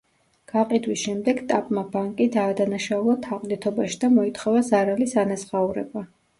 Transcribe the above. გაყიდვის შემდეგ ტაპმა ბანკი დაადანაშაულა თაღლითობაში და მოითხოვა ზარალის ანაზღაურება.